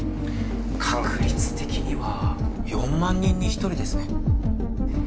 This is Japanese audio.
確率的には４万人に１人ですね。